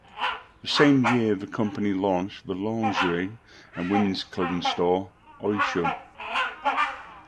The same year, the company launched the lingerie and women's clothing store Oysho.